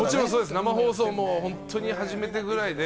生放送も本当に初めてぐらいで。